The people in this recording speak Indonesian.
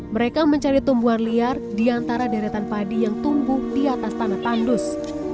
mereka mencari tumbuhan liar di antara deretan padi yang tumbuh di atas tanah tandus